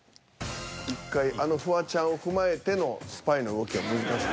１回あのフワちゃんを踏まえてのスパイの動きは難しい。